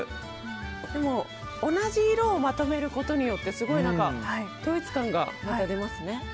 でも同じ色をまとめることによってすごい統一感が出ますね。